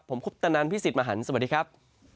ผมคุปตนันพี่สิทธิ์มหันฯสวัสดีครับ